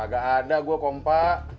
gak ada gua kompa